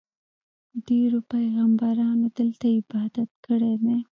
ډېرو پیغمبرانو دلته عبادت کړی دی.